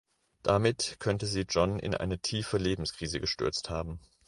Damit könnte sie John in eine tiefe Lebenskrise gestürzt haben.